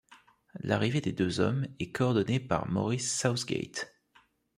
L'arrivée des deux hommes est coordonnée par Maurice Southgate.